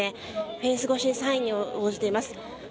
フェンス越しにサインに応じています。